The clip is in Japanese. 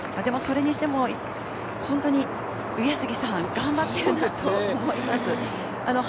それにしても本当に上杉さん頑張ってるなと思います。